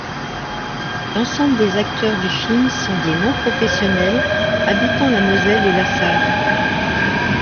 L'ensemble des acteurs du film sont des non-professionnels habitant la Moselle et la Sarre.